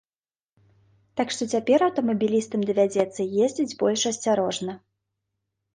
Так што цяпер аўтамабілістам давядзецца ездзіць больш асцярожна.